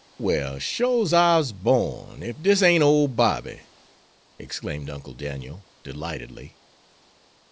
"Well, shore's I'se born, ef dis ain't our ole Bobby!" exclaimed Uncle Daniel, delightedly.